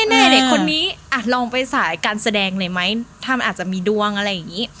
ยังไม่รอดแน่ได้คนนี้อยากไปสายการแสดงเลยมั้ยถ้ามันอาจจะมีดวงอะไรอย่างนี้